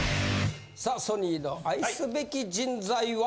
さあソニーの愛すべき人材は？